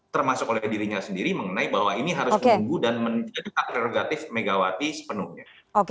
termasuk oleh dirinya sendiri mengenai bahwa ini harus menunggu dan menjadi hak prerogatif megawati sepenuhnya